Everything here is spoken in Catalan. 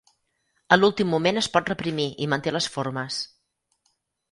A l'últim moment es pot reprimir i manté les formes.